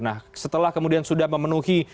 nah setelah kemudian sudah memenuhi